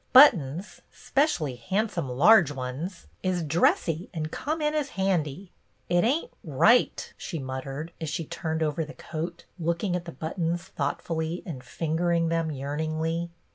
Buttons, spe cially handsome large ones, is dressy and come in as handy! It ain't right," she mut tered, as she turned over the coat, looking at the buttons thoughtfully and fingering them yearningly.